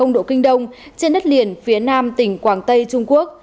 một trăm linh độ kinh đông trên đất liền phía nam tỉnh quảng tây trung quốc